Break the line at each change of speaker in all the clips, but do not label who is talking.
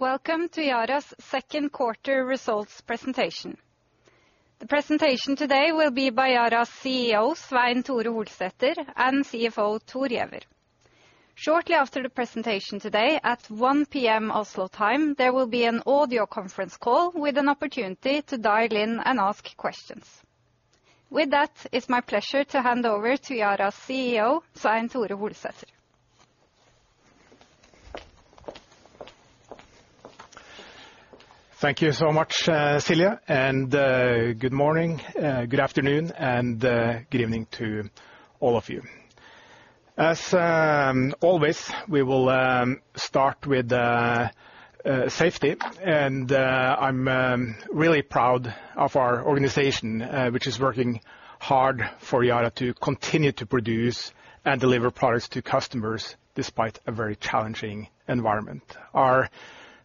Welcome to Yara's Q2 results presentation. The presentation today will be by Yara's CEO, Svein Tore Holsether, and CFO Thor Giæver. Shortly after the presentation today at 1:00 P.M. Oslo time, there will be an audio conference call with an opportunity to dial in and ask questions. With that, it's my pleasure to hand over to Yara's CEO, Svein Tore Holsether.
Thank you so much, Silje, and good morning, good afternoon, and good evening to all of you. As always, we will start with safety, and I'm really proud of our organization, which is working hard for Yara to continue to produce and deliver products to customers despite a very challenging environment. Our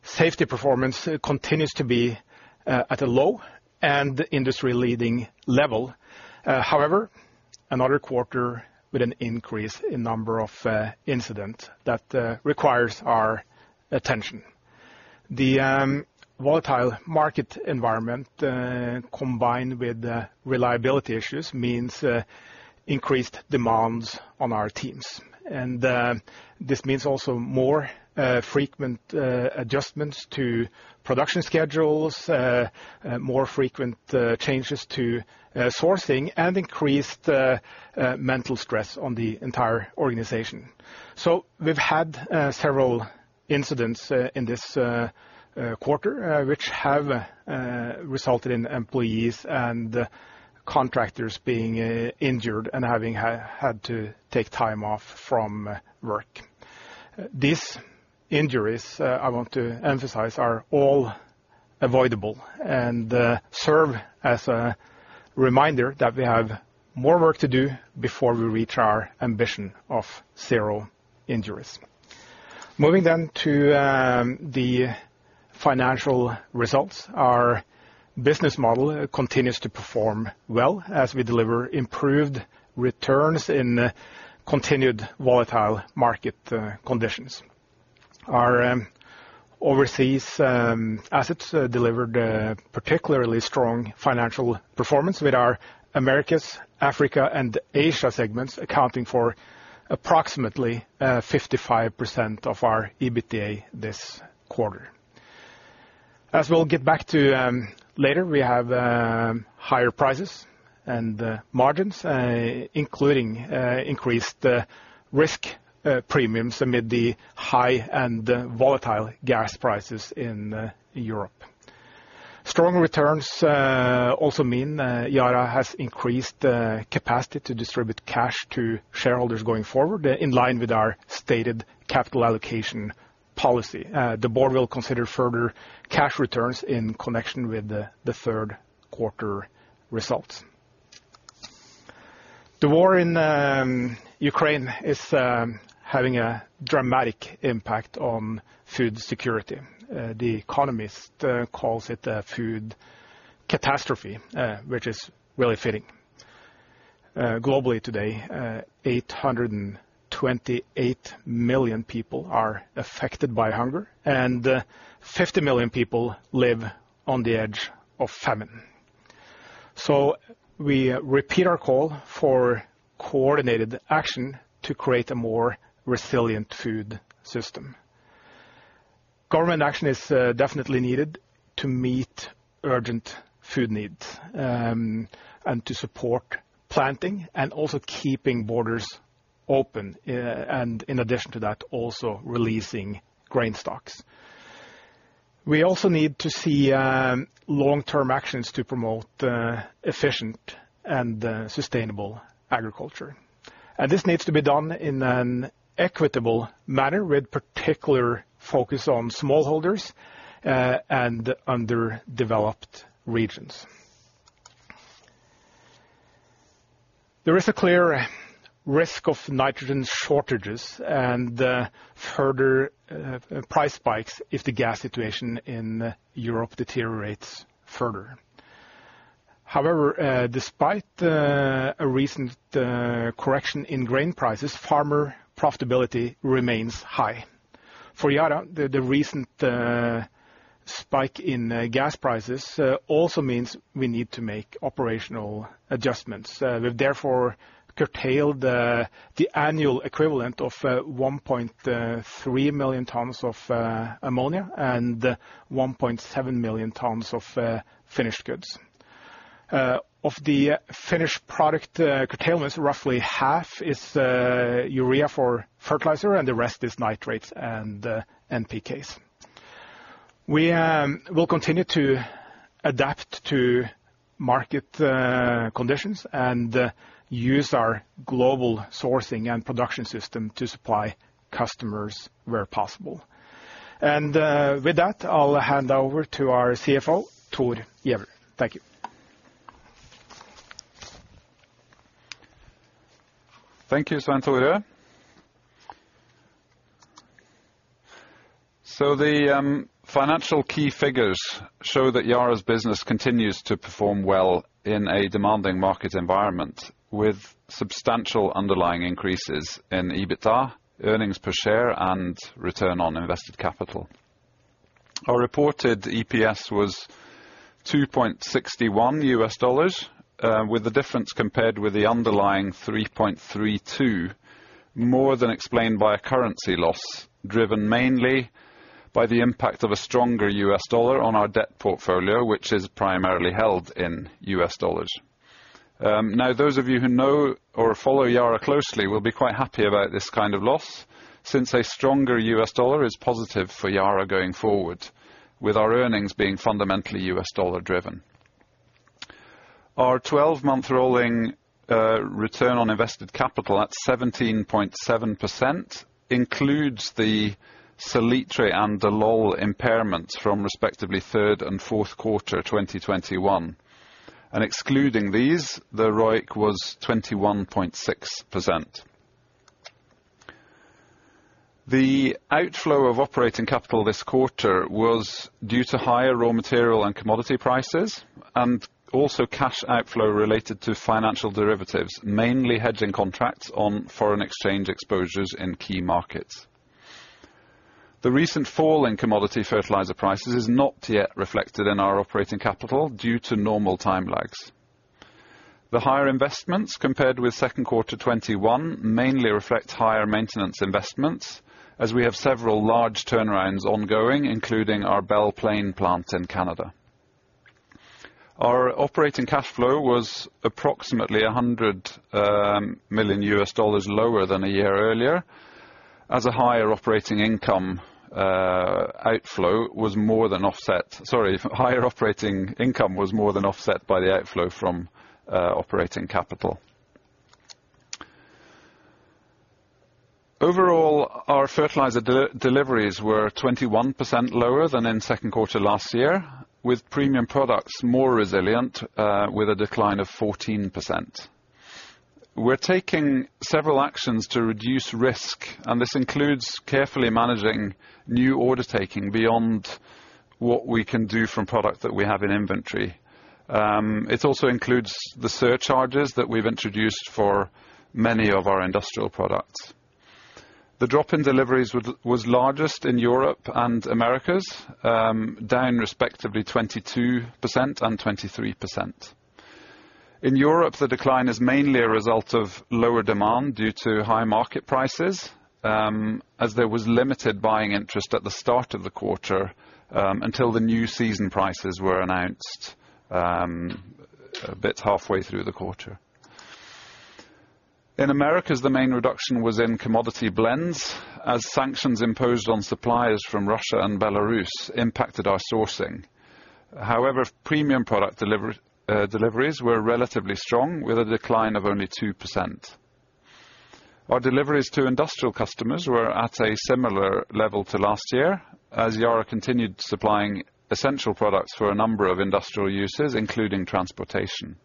safety performance continues to be at a low and industry-leading level. However, another quarter with an increase in number of incidents that requires our attention. The volatile market environment, combined with reliability issues means increased demands on our teams. This means also more frequent adjustments to production schedules, more frequent changes to sourcing, and increased mental stress on the entire organization. We've had several incidents in this quarter which have resulted in employees and contractors being injured and having had to take time off from work. These injuries I want to emphasize are all avoidable and serve as a reminder that we have more work to do before we reach our ambition of zero injuries. Moving to the financial results. Our business model continues to perform well as we deliver improved returns in continued volatile market conditions. Our overseas assets delivered a particularly strong financial performance with our Americas, Africa, and Asia segments accounting for approximately 55% of our EBITDA this quarter. As we'll get back to later, we have higher prices and margins, including increased risk premiums amid the high and volatile gas prices in Europe. Strong returns also mean Yara has increased capacity to distribute cash to shareholders going forward in line with our stated capital allocation policy. The board will consider further cash returns in connection with the Q3 results. The war in Ukraine is having a dramatic impact on food security. The Economist calls it a food catastrophe, which is really fitting. Globally today, 828 million people are affected by hunger, and 50 million people live on the edge of famine. We repeat our call for coordinated action to create a more resilient food system. Government action is definitely needed to meet urgent food needs, and to support planting and also keeping borders open, and in addition to that, also releasing grain stocks. We also need to see long-term actions to promote efficient and sustainable agriculture. This needs to be done in an equitable manner with particular focus on smallholders and underdeveloped regions. There is a clear risk of nitrogen shortages and further price spikes if the gas situation in Europe deteriorates further. However, despite a recent correction in grain prices, farmer profitability remains high. For Yara, the recent spike in gas prices also means we need to make operational adjustments. We've therefore curtailed the annual equivalent of 1.3 million tons of ammonia and 1.7 million tons of finished goods. Of the finished product, curtailment, roughly half is urea for fertilizer, and the rest is nitrates and NPKs. We will continue to adapt to market conditions and use our global sourcing and production system to supply customers where possible. With that, I'll hand over to our CFO, Thor Giæver. Thank you.
Thank you, Svein Tore. The financial key figures show that Yara's business continues to perform well in a demanding market environment, with substantial underlying increases in EBITDA, earnings per share, and return on invested capital. Our reported EPS was $2.61, with the difference compared with the underlying $3.32, more than explained by a currency loss, driven mainly by the impact of a stronger U.S dollar on our debt portfolio, which is primarily held in U.S dollars. Now, those of you who know or follow Yara closely will be quite happy about this kind of loss, since a stronger U.S dollar is positive for Yara going forward, with our earnings being fundamentally U.S dollar-driven. Our 12-month rolling return on invested capital at 17.7% includes the Salitre and the Dallol impairment from respectively Q3 and Q4, 2021. Excluding these, the ROIC was 21.6%. The outflow of operating capital this quarter was due to higher raw material and commodity prices, and also cash outflow related to financial derivatives, mainly hedging contracts on foreign exchange exposures in key markets. The recent fall in commodity fertilizer prices is not yet reflected in our operating capital due to normal time lags. The higher investments, compared with Q2 2021, mainly reflect higher maintenance investments as we have several large turnarounds ongoing, including our Belle Plaine plant in Canada. Our operating cash flow was approximately $100 million lower than a year earlier, as a higher operating income, outflow was more than offset. Sorry, higher operating income was more than offset by the outflow from operating capital. Overall, our fertilizer deliveries were 21% lower than in Q2 last year, with premium products more resilient, with a decline of 14%. We're taking several actions to reduce risk, and this includes carefully managing new order taking beyond what we can do from product that we have in inventory. It also includes the surcharges that we've introduced for many of our industrial products. The drop in deliveries was largest in Europe and Americas, down respectively 22% and 23%. In Europe, the decline is mainly a result of lower demand due to high market prices, as there was limited buying interest at the start of the quarter, until the new season prices were announced, a bit halfway through the quarter. In Americas, the main reduction was in commodity blends as sanctions imposed on suppliers from Russia and Belarus impacted our sourcing. However, premium product deliveries were relatively strong, with a decline of only 2%. Our deliveries to industrial customers were at a similar level to last year as Yara continued supplying essential products for a number of industrial uses, including transportation.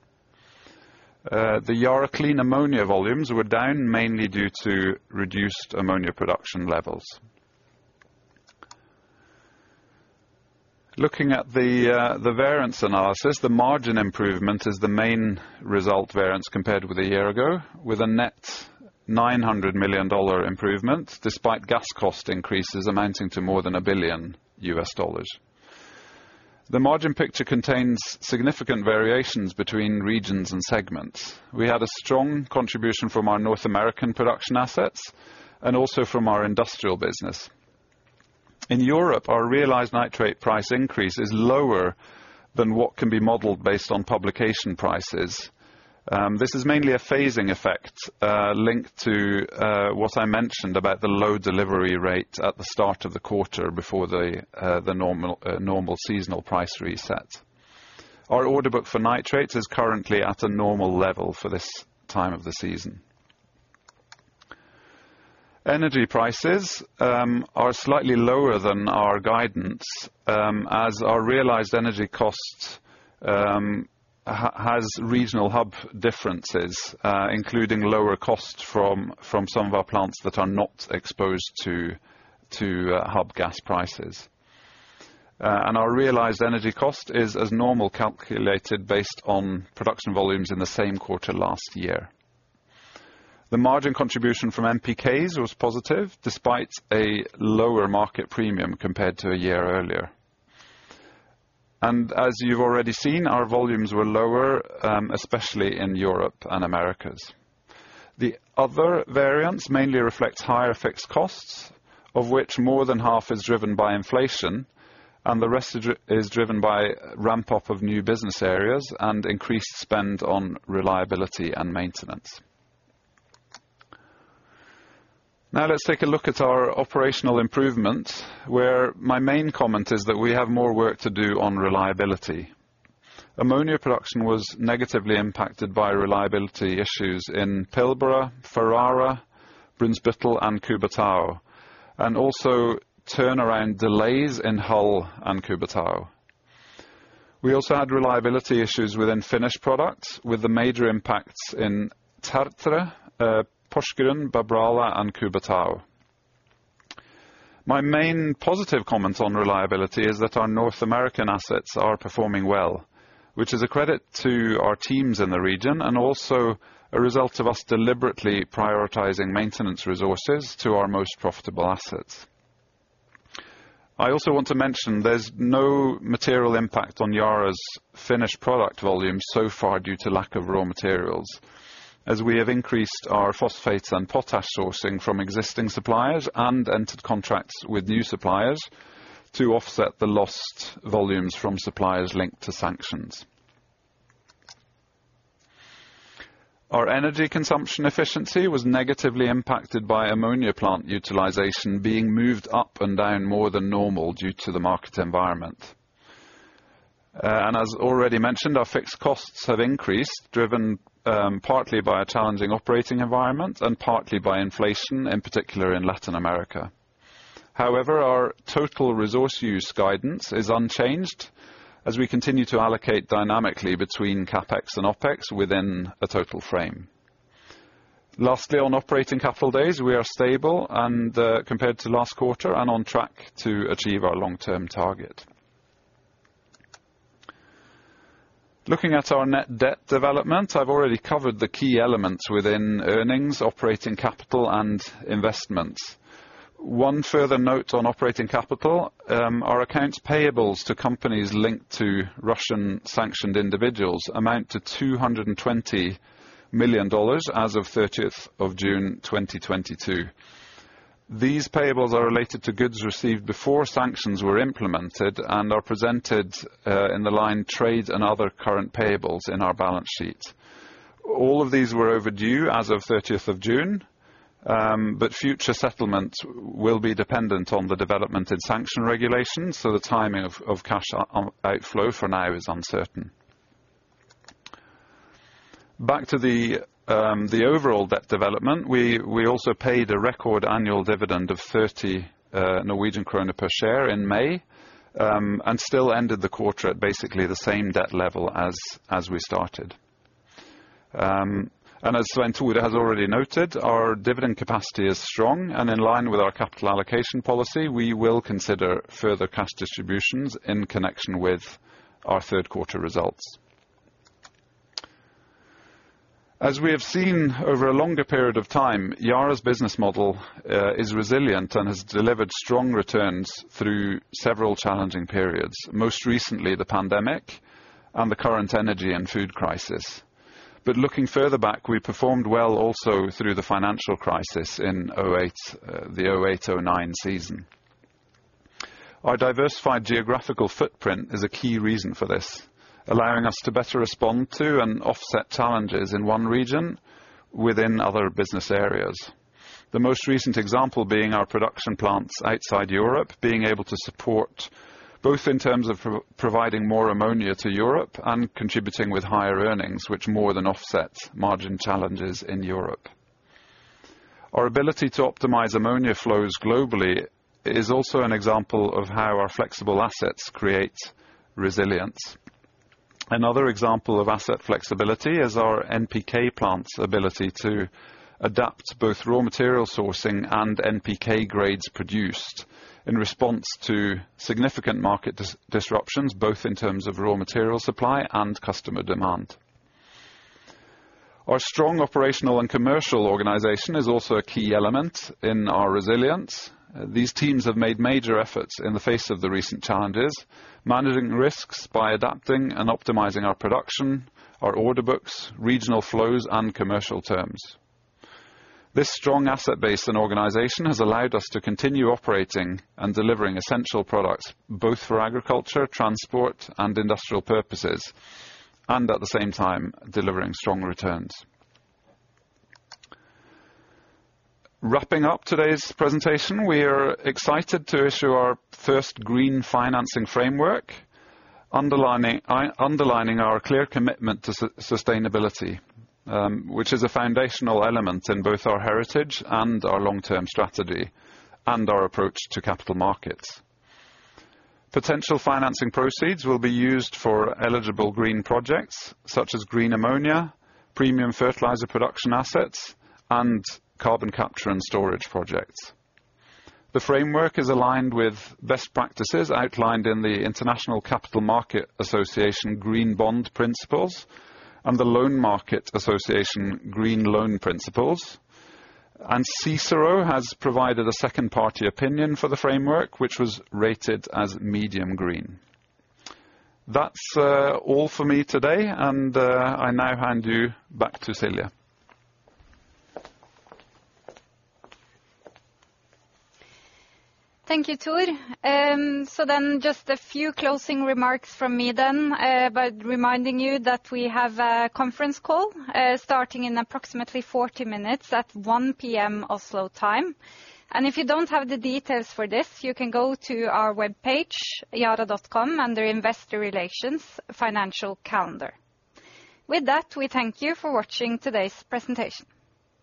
The Yara Clean Ammonia volumes were down mainly due to reduced ammonia production levels. Looking at the variance analysis, the margin improvement is the main result variance compared with a year ago, with a net $900 million improvement, despite gas cost increases amounting to more than $1 billion. The margin picture contains significant variations between regions and segments. We had a strong contribution from our North American production assets and also from our industrial business. In Europe, our realized nitrate price increase is lower than what can be modeled based on published prices. This is mainly a phasing effect linked to what I mentioned about the low delivery rate at the start of the quarter before the normal seasonal price reset. Our order book for nitrates is currently at a normal level for this time of the season. Energy prices are slightly lower than our guidance as our realized energy cost has regional hub differences including lower cost from some of our plants that are not exposed to hub gas prices. Our realized energy cost is as normal, calculated based on production volumes in the same quarter last year. The margin contribution from NPKs was positive despite a lower market premium compared to a year earlier. As you've already seen, our volumes were lower, especially in Europe and Americas. The other variance mainly reflects higher fixed costs, of which more than half is driven by inflation, and the rest is driven by ramp up of new business areas and increased spend on reliability and maintenance. Now let's take a look at our operational improvement, where my main comment is that we have more work to do on reliability. Ammonia production was negatively impacted by reliability issues in Pilbara, Ferrara, Brunsbüttel, and Cubatão, and also turnaround delays in Hull and Cubatão. We also had reliability issues within finished products with the major impacts in Tertre, Porsgrunn, Babrala, and Cubatão. My main positive comment on reliability is that our North American assets are performing well, which is a credit to our teams in the region and also a result of us deliberately prioritizing maintenance resources to our most profitable assets. I also want to mention there's no material impact on Yara's finished product volume so far due to lack of raw materials, as we have increased our phosphate and potash sourcing from existing suppliers and entered contracts with new suppliers to offset the lost volumes from suppliers linked to sanctions. Our energy consumption efficiency was negatively impacted by ammonia plant utilization being moved up and down more than normal due to the market environment. As already mentioned, our fixed costs have increased, driven partly by a challenging operating environment and partly by inflation, in particular in Latin America. However, our total resource use guidance is unchanged as we continue to allocate dynamically between CapEx and OpEx within a total frame. Lastly, on operating capital days, we are stable and compared to last quarter and on track to achieve our long-term target. Looking at our net debt development, I've already covered the key elements within earnings, operating capital, and investments. One further note on operating capital, our accounts payables to companies linked to Russian-sanctioned individuals amount to $220 million as of June 30th ,2022. These payables are related to goods received before sanctions were implemented and are presented in the line trade and other current payables in our balance sheet. All of these were overdue as of June 30th, but future settlement will be dependent on the development and sanction regulations, so the timing of cash outflow for now is uncertain. Back to the overall debt development, we also paid a record annual dividend of 30 Norwegian kroner per share in May, and still ended the quarter at basically the same debt level as we started. As Svein Tore has already noted, our dividend capacity is strong. In line with our capital allocation policy, we will consider further cash distributions in connection with our Q3 results. As we have seen over a longer period of time, Yara's business model is resilient and has delivered strong returns through several challenging periods, most recently the pandemic and the current energy and food crisis. Looking further back, we performed well also through the financial crisis in the 2008-2009 season. Our diversified geographical footprint is a key reason for this, allowing us to better respond to and offset challenges in one region within other business areas. The most recent example being our production plants outside Europe being able to support both in terms of providing more ammonia to Europe and contributing with higher earnings, which more than offsets margin challenges in Europe. Our ability to optimize ammonia flows globally is also an example of how our flexible assets create resilience. Another example of asset flexibility is our NPK plant's ability to adapt both raw material sourcing and NPK grades produced in response to significant market disruptions, both in terms of raw material supply and customer demand. Our strong operational and commercial organization is also a key element in our resilience. These teams have made major efforts in the face of the recent challenges, managing risks by adapting and optimizing our production, our order books, regional flows, and commercial terms. This strong asset base and organization has allowed us to continue operating and delivering essential products both for agriculture, transport, and industrial purposes, and at the same time delivering strong returns. Wrapping up today's presentation, we are excited to issue our first green financing framework, underlining our clear commitment to sustainability, which is a foundational element in both our heritage and our long-term strategy, and our approach to capital markets. Potential financing proceeds will be used for eligible green projects such as green ammonia, premium fertilizer production assets, and carbon capture and storage projects. The framework is aligned with best practices outlined in the International Capital Market Association Green Bond Principles and the Loan Market Association Green Loan Principles. CICERO has provided a second-party opinion for the framework, which was rated as medium green. That's all for me today, and I now hand you back to Silje.
Thank you, Thor Giæver. Just a few closing remarks from me then, by reminding you that we have a conference call starting in approximately 40 minutes at 1:00 P.M. Oslo time. If you don't have the details for this, you can go to our webpage, yara.com, under Investor Relations, Financial Calendar. With that, we thank you for watching today's presentation.